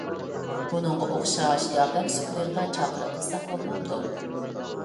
بۇنىڭغا ئوخشاش ياردەم سۇپىلىرىدا چاقىرىق قىلساق بولمامدۇ؟